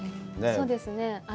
そうですね。